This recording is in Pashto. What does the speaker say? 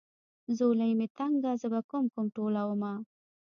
ځولۍ مې تنګه زه به کوم کوم ټولومه.